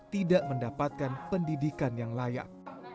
tidak mendapatkan pendidikan yang layak